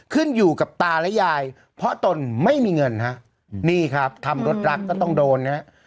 ขึ้นอยู่กับตาและยายเพราะตนไม่มีเงินฮะนี่ครับทำรถรักก็ต้องโดนนะฮะ